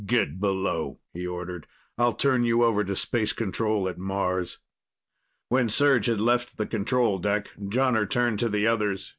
"Get below," he ordered. "I'll turn you over to Space Control at Mars." When Serj had left the control deck, Jonner turned to the others.